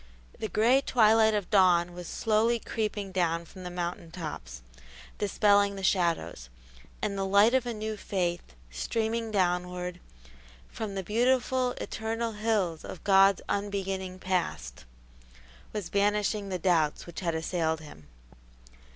The gray twilight of dawn was slowly creeping down from the mountain tops, dispelling the shadows; and the light of a new faith, streaming downward "From the beautiful, eternal hills Of God's unbeginning past," was banishing the doubts which had assailed him.